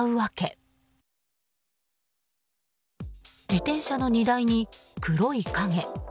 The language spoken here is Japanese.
自転車の荷台に黒い影。